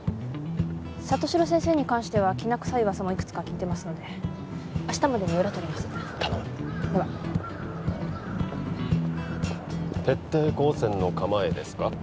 里城先生に関してはきな臭い噂もいくつか聞いてますので明日までに裏取ります頼むでは徹底抗戦の構えですか？